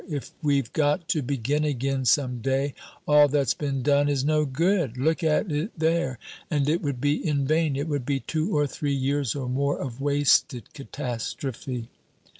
If we've got to begin again some day, all that's been done is no good. Look at it there! and it would be in vain. It would be two or three years or more of wasted catastrophe."